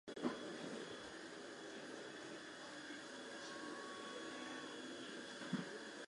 She was equally successful for her concert hall recitals.